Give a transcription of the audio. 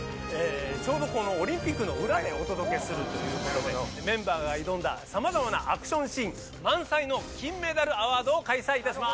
ちょうどこのオリンピックの裏でお届けするということでメンバーが挑んださまざまなアクションシーン満載の金メダルアワードを開催いたします！